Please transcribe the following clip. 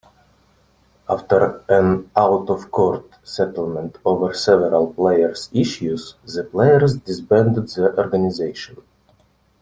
After an out-of-court settlement over several players' issues, the players disbanded the organization.